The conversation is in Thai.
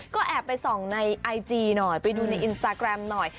ก็แอบไปส่องในไอจีหน่อยไปดูในอินสตาแกรมหน่อย